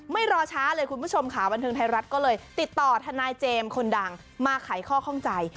รอช้าเลยคุณผู้ชมค่ะบันเทิงไทยรัฐก็เลยติดต่อทนายเจมส์คนดังมาไขข้อข้องใจ